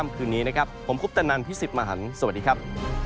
มันคือนี้นะครับผมคุพธนันทร์พิสิทธิ์มาหันสวัสดีครับ